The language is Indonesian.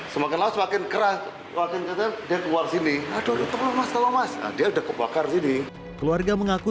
semakin semakin keras mungkin kita keluar sini aduh mas mas ada kebakar sini keluarga mengaku